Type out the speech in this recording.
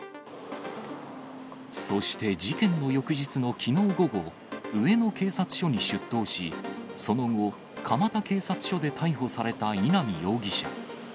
そして、事件の翌日のきのう午後、上野警察署に出頭し、その後、蒲田警察署で逮捕された稲見容疑者。